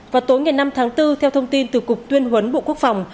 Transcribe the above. vào tối ngày năm tháng bốn theo thông tin từ cục tuyên huấn bộ quốc phòng